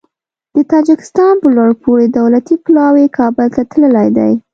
د تاجکستان یو لوړپوړی دولتي پلاوی کابل ته تللی دی.